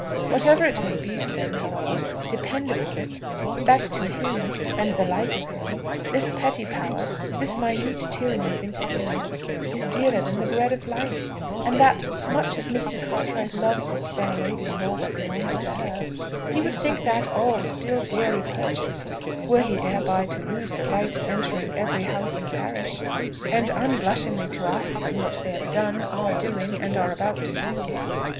Whatever it may be to them, however, depend upon it, that to him, and the like of him, this petty power, this minute tyranny of interference, is dearer than the breath of life; and that, much as Mr. Cartwright loves his fair lady and all that belongs to her, he would think that all still dearly purchased, were he thereby to lose the right of entering every house in the parish, and unblushingly to ask them what they have done, are doing, and are about to do."